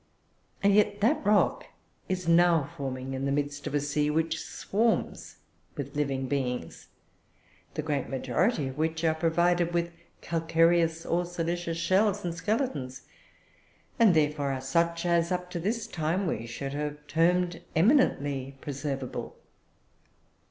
And yet that rock is now forming in the midst of a sea which swarms with living beings, the great majority of which are provided with calcareous or silicious shells and skeletons; and, therefore, are such as, up to this time, we should have termed eminently preservable.